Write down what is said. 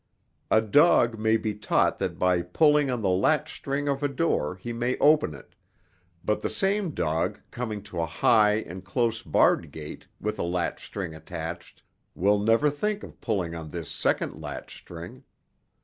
A dog may be taught that by pulling on the latchstring of a door he may open it, but the same dog coming to a high and close barred gate with a latchstring attached, will never think of pulling on this second latchstring.